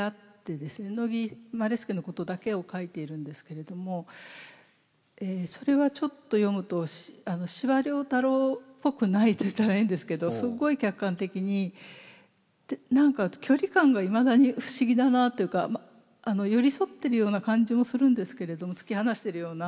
乃木希典のことだけを書いているんですけれどもそれはちょっと読むと司馬太郎っぽくないと言ったら変ですけどすごい客観的に何か距離感がいまだに不思議だなというか寄り添ってるような感じもするんですけれども突き放してるような。